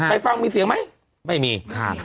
ไปฟังมีเสียงไหมไม่มีครับ